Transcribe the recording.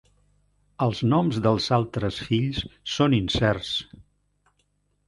Els noms dels altres fills són incerts.